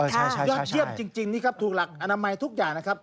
ยอดเยี่ยมจริงนี่ครับถูกหลักอนามัยทุกอย่างนะครับ